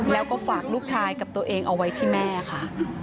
แล้วก็ฝากลูกชายกับตัวเองเอาไว้ที่แม่ค่ะ